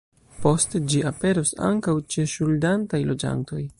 Poste ĝi aperos ankaŭ ĉe ŝuldantaj loĝantoj.